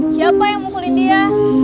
siapa yang mukulin dia